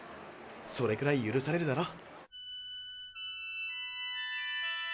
それくらい許されるだろ。